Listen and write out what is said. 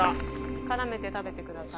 絡めて食べてください。